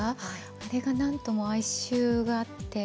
あれが、なんとも哀愁があって。